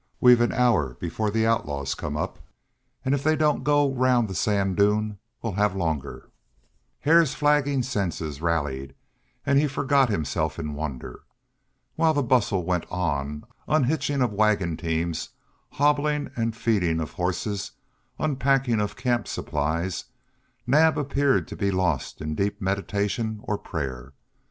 We've an hour before the outlaws come up, and if they don't go round the sand dune we'll have longer." Hare's flagging senses rallied, and he forgot himself in wonder. While the bustle went on, unhitching of wagon teams, hobbling and feeding of horses, unpacking of camp supplies, Naab appeared to be lost in deep meditation or prayer.